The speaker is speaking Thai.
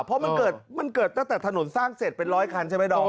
เพราะมันเกิดมันเกิดตั้งแต่ถนนสร้างเสร็จเป็นร้อยคันใช่ไหมดอม